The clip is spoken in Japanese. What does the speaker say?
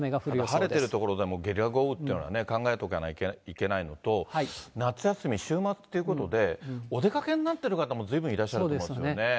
晴れてる所でもゲリラ豪雨というのは考えておかないといけないのと、夏休み、週末ということで、お出かけになってる方もずいぶんいらっしゃると思うんですよね。